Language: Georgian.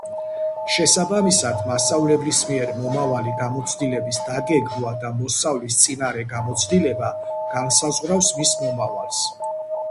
შესაბამისად მასწავლებლის მიერ მომავალი გამოცდილების დაგეგმვა და მოსწავლის წინარე გამოცდილება განსაზღვრავს მის მომავალს.